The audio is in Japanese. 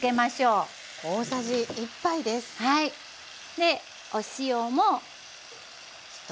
でお塩も。